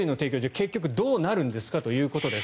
結局、どうなるんですかということです。